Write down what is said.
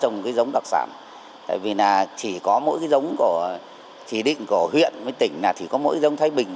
trồng cái giống đặc sản tại vì là chỉ có mỗi cái giống của chỉ định của huyện với tỉnh là chỉ có mỗi giống thái bình